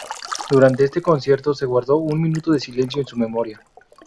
Durante este concierto se guardó un minuto de silencio en su memoria.